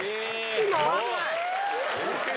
今？